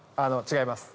違います。